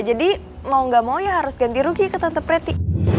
jadi mau ga mau ya harus ganti rugi ke tante preti